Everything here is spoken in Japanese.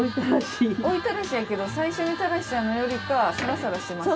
追いたらしやけど最初にたらしたのよりかサラサラしてますね。